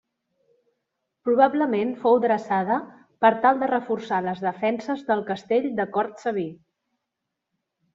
Probablement fou dreçada per tal de reforçar les defenses del Castell de Cortsaví.